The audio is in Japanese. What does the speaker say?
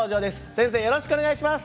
よろしくお願いします。